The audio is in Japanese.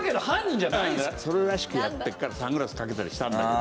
それらしくやってるからサングラスかけたりしたんだけど。